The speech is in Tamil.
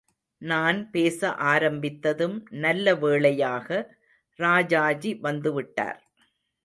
நான் பேச ஆரம்பித்ததும் நல்ல வேளையாக ராஜாஜி வந்துவிட்டார்.